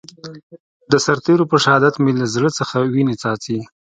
د سرتېرو په شهادت مې له زړه څخه وينې څاڅي.